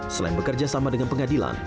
selain bekerja sama dengan pengadilan